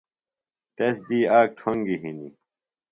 تس دی آک ٹھوۡنگیۡ ہِنیۡ۔